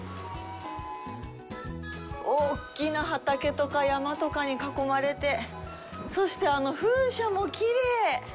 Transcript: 大きな畑とか、山とかに囲まれてそして、あの風車もきれい。